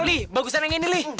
li bagusan yang ini li